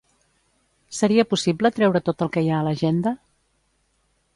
Seria possible treure tot el que hi ha a l'agenda?